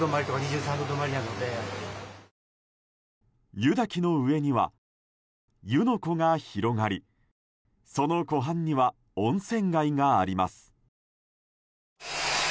湯滝の上には湯ノ湖が広がりその湖畔には温泉街があります。